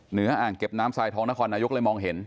เหนืออ่างเก็บน้ำทรายท้องหน้าคอร์นายุคเลยมองเห็น